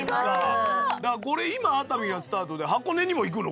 これ今熱海がスタートで箱根にも行くの？